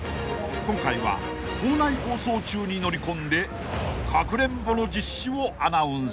［今回は校内放送中に乗り込んでかくれんぼの実施をアナウンス］